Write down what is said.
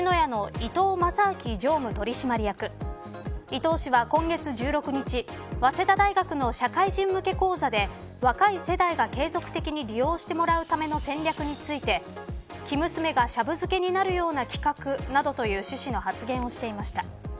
伊東氏は今月１６日早稲田大学の社会人向け講座で若い世代が継続的に利用してもらうための戦略について生娘がシャブ漬けになるような企画などという趣旨の発言をしていました。